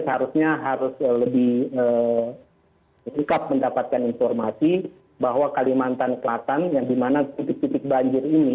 jadi harusnya harus lebih sikap mendapatkan informasi bahwa kalimantan selatan yang dimana titik titik banjir ini